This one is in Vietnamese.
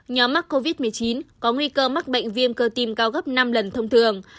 nhóm mắc covid một mươi chín có nguy cơ mắc bệnh viêm cơ tim cao gấp năm lần thông thường